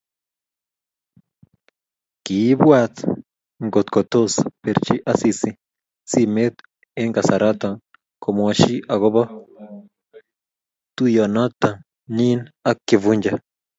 Kiibwat ngotko tos birchi Asisi simet eng kasarato komwoch agobo tuiyonotonyi ak Kifuja